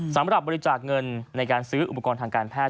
สำหรับบริจาคเงินในการซื้ออุปกรณ์ทางการแพท